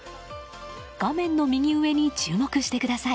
画面の右上に注目してください。